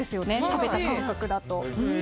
食べた感覚だと。